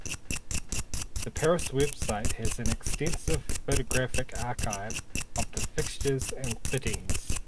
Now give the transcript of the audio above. The parish website has an extensive photographic archive of the fixtures and fittings.